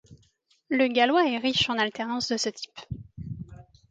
Le gallois est riche en alternances de ce type.